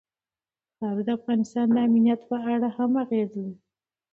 خاوره د افغانستان د امنیت په اړه هم اغېز لري.